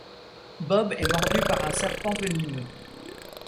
Bob est mordu par un serpent venimeux.